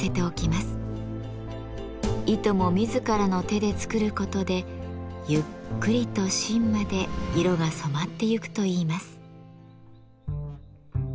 糸も自らの手で作ることでゆっくりと芯まで色が染まってゆくといいます。